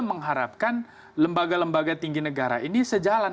mengharapkan lembaga lembaga tinggi negara ini sejalan